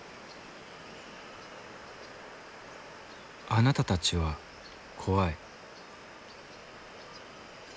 「あなたたちは怖い」。